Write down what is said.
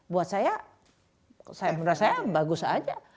buat saya menurut saya bagus saja